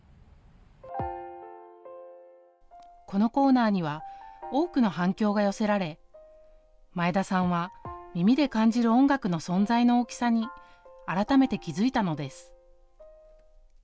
このコーナーには多くの反響が寄せられ前田さんは、耳で感じる音楽の存在の大きさに改めて気付いたのです。